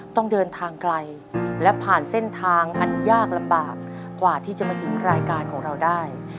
ต้องเดินทางไกลและผ่านเส้นทางอันยากลำบากกว่าที่จะมาถึงรายการของเราได้